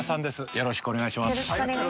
よろしくお願いします。